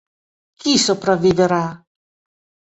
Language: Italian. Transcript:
Chi sopravviverà?